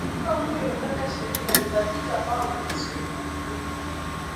Katika umri wa miaka ishirini alibatizwa akawa mkristo Mkatoliki